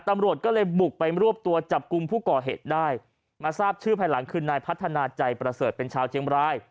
ตำรวจก็เลยบุกไปรวบตัวจับกลุ่มผู้ก่อเหตุได้มาทราบชื่อภายหลังคือนายพัฒนาใจประเสริฐเป็นชาวเชียงบราย